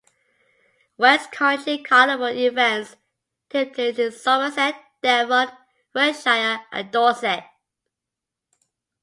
West Country Carnival events take place in Somerset, Devon, Wiltshire and Dorset.